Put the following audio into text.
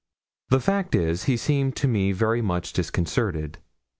The fact is, he seemed to me very much disconcerted.